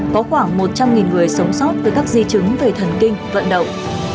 có khoảng một trăm linh người sống sót với các di chứng về thần kinh vận động